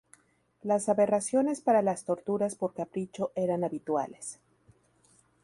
Las aberraciones para las torturas por capricho eran habituales.